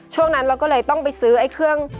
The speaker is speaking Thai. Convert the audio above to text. ช่วงนั้นเราก็เลยต้องไปซื้อไอ้เครื่อง